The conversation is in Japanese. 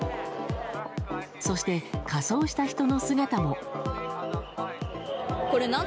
そして、仮装した人の姿も。